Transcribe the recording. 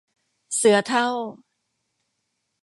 เสือเฒ่า